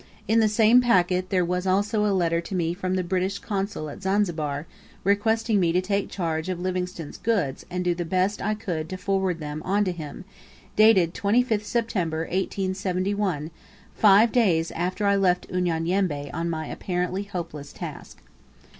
In the same packet there was also a letter to me from the British Consul at Zanzibar requesting me to take charge of Livingstone's goods and do the best I could to forward them on to him, dated 25th September, 1871, five days after I left Unyanyembe on my apparently hopeless task.